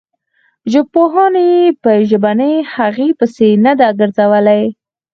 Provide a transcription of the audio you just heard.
ژبپوهانو یې په ژبنۍ هغې پسې نه ده ګرځولې.